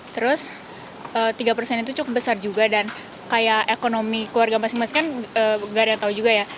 terus tiga persen itu cukup besar juga dan kayak ekonomi keluarga masing masing kan gak ada yang tahu juga ya